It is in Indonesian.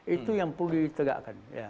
itu yang perlu ditegakkan